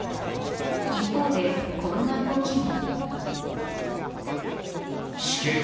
一方で、こんな動きも。